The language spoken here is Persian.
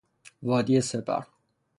وادی سپر